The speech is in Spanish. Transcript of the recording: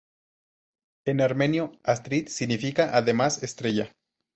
En armenio, Astrid significa además "estrella".